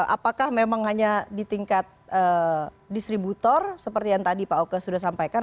apakah memang hanya di tingkat distributor seperti yang tadi pak oke sudah sampaikan